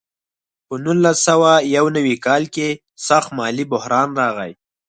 په نولس سوه یو نوي کال کې سخت مالي بحران راغی.